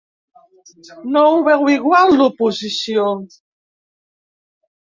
No ho veu igual l’oposició.